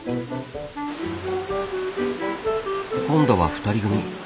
今度は２人組。